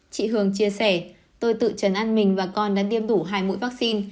chị hường chia sẻ tôi tự trấn ăn mình và con đã đem đủ hai mũi vaccine